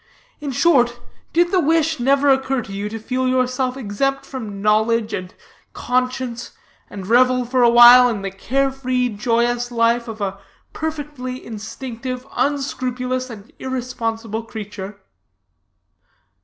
In short, did the wish never occur to you to feel yourself exempt from knowledge, and conscience, and revel for a while in the carefree, joyous life of a perfectly instinctive, unscrupulous, and irresponsible creature?"